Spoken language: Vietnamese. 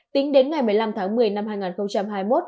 tính đến ngày một mươi năm tháng một mươi năm hai nghìn hai mươi một